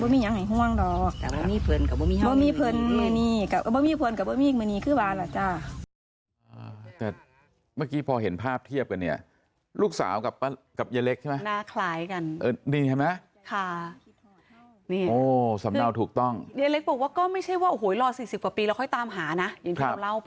ไม่มีเยอะแหงห่วงต่อ